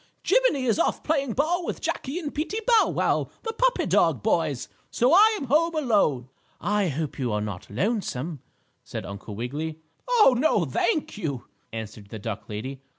Jiminie is off playing ball with Jackie and Peetie Bow Wow, the puppy dog boys, so I am home alone." "I hope you are not lonesome," said Uncle Wiggily. "Oh, no, thank you," answered the duck lady.